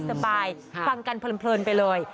สบายฟังกันเพลินไปเลย